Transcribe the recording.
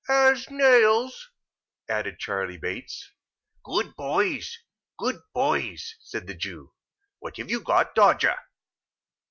"As nails," added Charley Bates. "Good boys, good boys!" said the Jew. "What have you got, Dodger?"